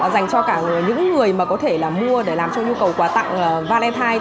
dành cho cả những người có thể mua để làm cho nhu cầu quà tặng valentine